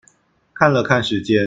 看了看時間